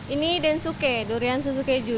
ini densuke durian susu keju